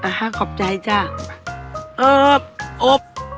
อ่าค่ะขอบใจจ้าเอออบ